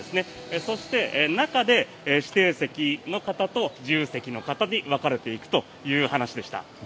そして、中で指定席の方と自由席の方に分かれていくという話でした。